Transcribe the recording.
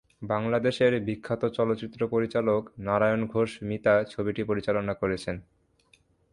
বাংলাদেশের বিখ্যাত চলচ্চিত্র পরিচালক নারায়ণ ঘোষ মিতা ছবিটি পরিচালনা করেছেন।